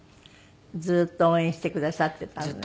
ずっと応援してくださっていたのね。